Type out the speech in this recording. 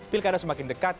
pilkada semakin dekat